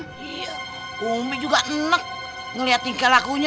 iya umi juga ngelek ngeliat tingkat lakunya